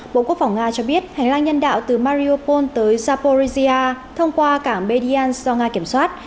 bộ quốc phòng nga cho biết hành lang nhân đạo từ mariupol tới zaporizhia thông qua cảng bediansk do nga kiểm soát